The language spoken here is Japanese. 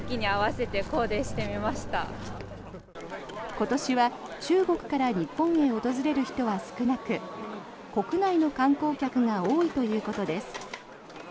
今年は中国から日本へ訪れる人は少なく国内の観光客が多いということです。